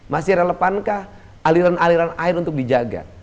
masih relevankah aliran aliran air untuk dijaga